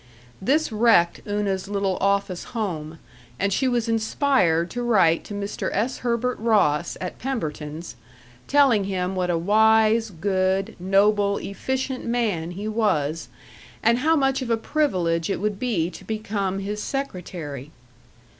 This wrecked Una's little office home, and she was inspired to write to Mr. S. Herbert Ross at Pemberton's, telling him what a wise, good, noble, efficient man he was, and how much of a privilege it would be to become his secretary.